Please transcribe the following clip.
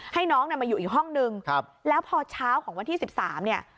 ให้น้องมาอยู่อีกห้องนึงแล้วพอเช้าของวันที่๑๓เนี่ย